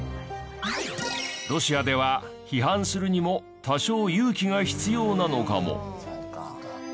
ロシアでは批判するにも多少勇気が必要なのかも。